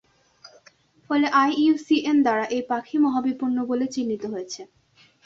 ফলে আইইউসিএন দ্বারা এই পাখি মহাবিপন্ন বলে চিহ্নিত হয়েছে।